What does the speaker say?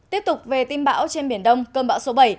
tiếp tục về tin bão trên biển đông cơn bão số bảy